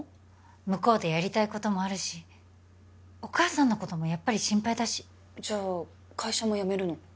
向こうでやりたいこともあるしお母さんのこともやっぱり心配だしじゃあ会社も辞めるの？